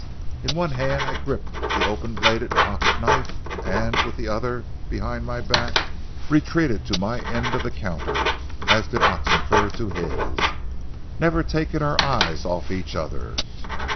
In one hand I gripped the open bladed pocket knife, and, with the other behind my back, retreated to my end of the counter as did Oxenford to his, never taking our eyes off each other.